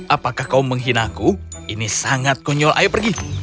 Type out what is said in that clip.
apakah kau menghina aku ini sangat konyol ayo pergi